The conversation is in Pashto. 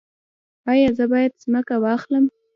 ایا زه باید ځمکه واخلم؟